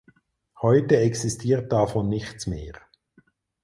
Heute existiert davon nichts mehr.